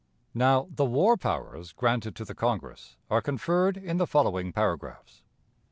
"Now the war powers granted to the Congress are conferred in the following paragraphs: No.